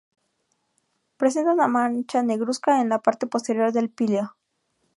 Presenta una mancha negruzca en la parte posterior del píleo.